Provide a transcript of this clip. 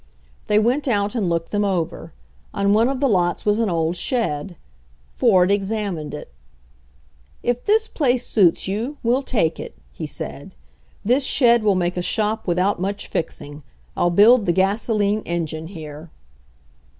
, They went out and looked them over. On one of the lots was an old shed. Ford examined it. If this place suits you, we'll take it," he said. This shed will make a shop without much fix ing. I'll build the gasoline engine here."